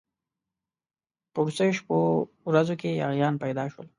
په وروستو شپو ورځو کې یاغیان پیدا شول.